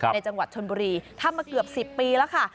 ในจังหวัดชนบุรีทำมาเกือบ๑๐ปีแล้วค่ะ